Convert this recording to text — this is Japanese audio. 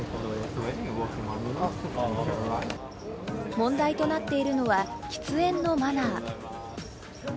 問題となっているのは喫煙のマナー。